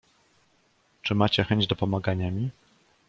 "Czy macie chęć dopomagania mi?"